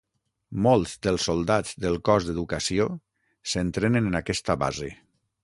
Molts dels soldats del cos d'Educació s'entrenen en aquesta base.